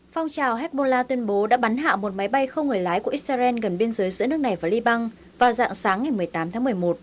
phong trào hezbollah tuyên bố đã bắn hạ một máy bay không người lái của israel gần biên giới giữa nước này và liban vào dạng sáng ngày một mươi tám tháng một mươi một